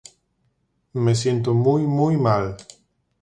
Me siento muy, muy mal.